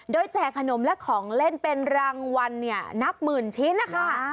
โดยแจกขนมและของเล่นเป็นรางวัลนับหมื่นชิ้นนะคะ